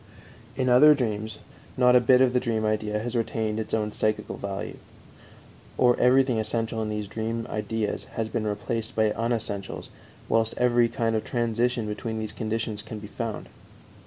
In other dreams not a bit of the dream idea has retained its own psychical value, or everything essential in these dream ideas has been replaced by unessentials, whilst every kind of transition between these conditions can be found.